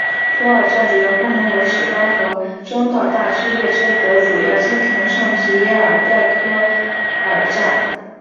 图尔站主要功能为始发和终到大区列车则主要经停圣皮耶尔代科尔站。